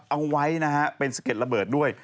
เอาไว้นะฮะเป็นสะเก็ดระเบิดด้วย